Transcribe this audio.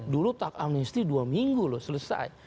dulu tax amnesty dua minggu loh selesai